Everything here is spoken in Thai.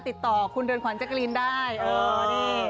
ติดต่อคุณเรือนขวัญแจกรีนได้เออนี่